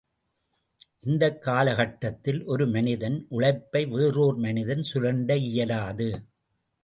இந்தக் காலகட்டத்தில் ஒரு மனிதன் உழைப்பை வேறோர் மனிதன் சுரண்ட இயலாது.